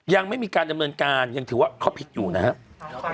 ยังไม่มีการดำเนินการยังถือว่าเขาผิดอยู่นะครับ